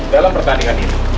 dalam pertandingan ini